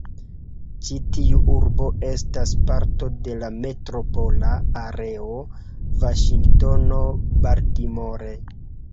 Ĉi-tiu urbo estas parto de la "Metropola Areo Vaŝingtono-Baltimore".